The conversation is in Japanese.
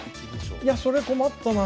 いやそれ困ったな。